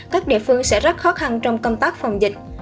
các địa phương sẽ rất khó khăn trong công tác phòng dịch